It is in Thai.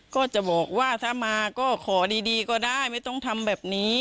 ก็จะบอกว่าถ้ามาก็ขอดีก็ได้ไม่ต้องทำแบบนี้